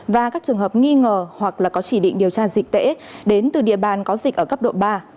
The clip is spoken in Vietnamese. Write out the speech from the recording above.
và các trường hợp nghi ngờ hoặc là có chỉ định điều tra dịch tễ đến từ địa bàn có dịch ở cấp độ ba